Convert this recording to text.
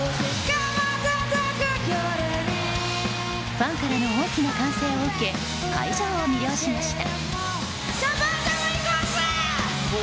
ファンからの大きな歓声を受け会場を魅了しました。